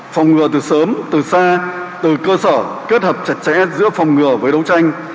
phòng ngừa từ sớm từ xa từ cơ sở kết hợp chặt chẽ giữa phòng ngừa với đấu tranh